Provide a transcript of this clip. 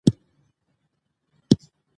د وخت ارزښت پوهیدل د ژوند په هره برخه کې ګټور دي.